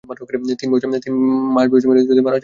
তিন মাস বয়সী মেয়ে আছে যদি মারা যাও?